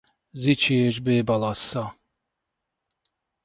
Zichy és b. Balassa.